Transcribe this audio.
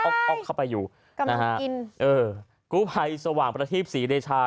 อ๊อกอ๊อกอ๊อกเข้าไปอยู่กำลังกินเออกุภัยสว่างประทีพศรีราชา